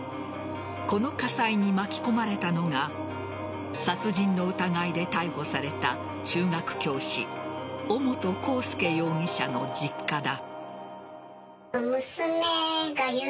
この火災に巻き込まれたのが殺人の疑いで逮捕された中学教師尾本幸祐容疑者の実家だ。